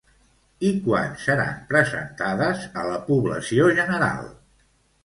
I quan seran presentades a la població general?